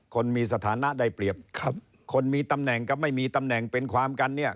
คนมีสถานะได้เปรียบครับคนมีตำแหน่งกับไม่มีตำแหน่งเป็นความกันเนี่ย